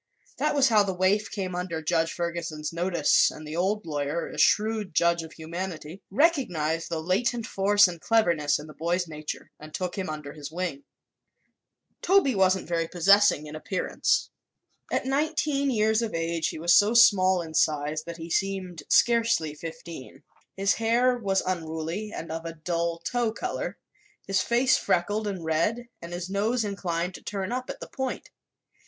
That was how the waif came under Judge Ferguson's notice and the old lawyer, a shrewd judge of humanity, recognized the latent force and cleverness in the boy's nature and took him under his wing. Toby wasn't very prepossessing in appearance. At nineteen years of age he was so small in size that he seemed scarcely fifteen. His hair was unruly and of a dull tow color, his face freckled and red and his nose inclined to turn up at the point.